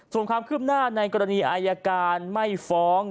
ส่วนความคืบหน้าในกรณีอายการไม่ฟ้อง